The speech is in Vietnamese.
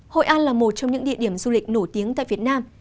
hội an là một trong những địa điểm du lịch nổi tiếng tại việt nam